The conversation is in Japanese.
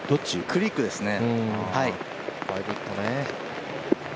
クリークですね。